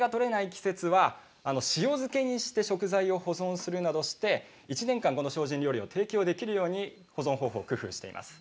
季節は塩漬けにして食材を保存するなどして１年間この精進料理を提供できるように保存方法を工夫しています。